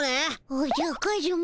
おじゃカズマ。